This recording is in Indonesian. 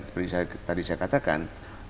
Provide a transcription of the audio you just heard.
seperti tadi saya katakan